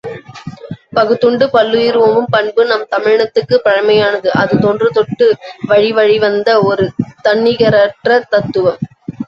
பகுத்துண்டு பல்லுயிர் ஓம்பும் பண்பு நம் தமிழினத்துக்குப் பழமையானது அது தொன்றுதொட்டு வழிவழிவந்த ஒரு தன்னிகரற்ற தத்துவம்.